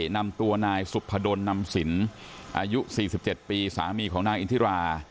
นำตัวนายสุพดลนำสินอายุ๔๗ปีสามีของนางอินทิรา